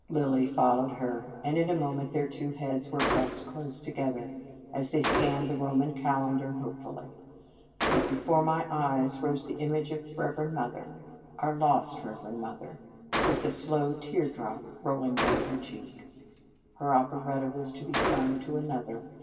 Lilly followed her, and in a moment their two heads were pressed close together, as they scanned the Roman calendar hopefully. But be fore my eyes rose the image of Reverend Mother, our lost Reverend Mother, with the slow teardrop roll ing down her cheek. Her operetta was to be sung to another.